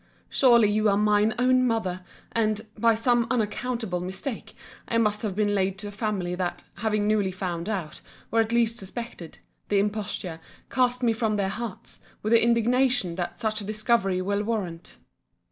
Surely you are mine own mother; and, by some unaccountable mistake, I must have been laid to a family that, having newly found out, or at least suspected, the imposture, cast me from their hearts, with the indignation that such a discovery will warrant.